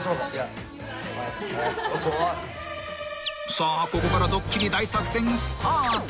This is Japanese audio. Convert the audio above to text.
［さあここからドッキリ大作戦スタート］